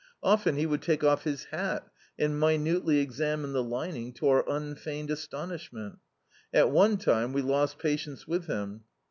Often he would take off his hat and minutely examine the lining, to our unfeigned astonishmcnL At one time we lost patience with him.